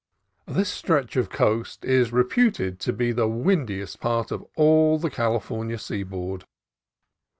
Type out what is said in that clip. This stretch of coast is reputed to be the windi est part of all the California seaboard.